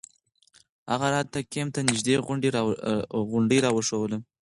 هغه راته کمپ ته نژدې غونډۍ راوښووله.